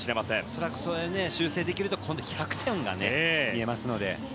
恐らく修正できると今度は１００点が見えますので。